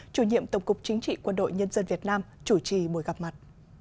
chủ nhiệm tổng cục chính trị quân đội nhân dân việt nam chủ trì buổi gặp mặt